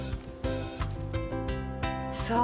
そう。